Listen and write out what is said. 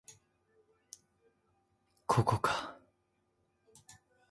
ここか